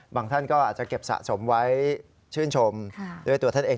ท่านก็อาจจะเก็บสะสมไว้ชื่นชมด้วยตัวท่านเอง